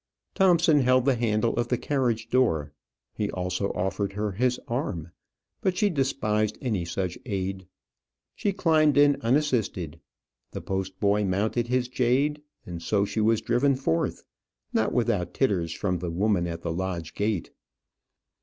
Thompson held the handle of the carriage door: he also offered her his arm, but she despised any such aid. She climbed in unassisted; the post boy mounted his jade; and so she was driven forth, not without titters from the woman at the lodge gate.